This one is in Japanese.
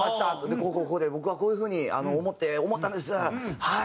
「こうこうこうで僕はこういう風に思って思ったんですはい」。